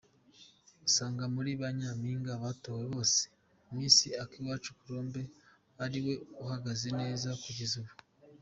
Asanga muri ba Nyampinga batowe bose, Miss Akiwacu Colombe ariwe uhagaze neza kugeza ubu.